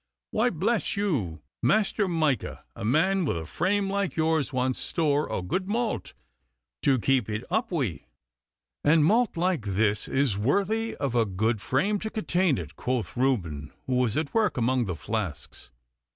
'Why, bless you, master Micah, a man with a frame like yours wants store o' good malt to keep it up wi'.' 'And malt like this is worthy of a good frame to contain it,' quoth Reuben, who was at work among the flasks.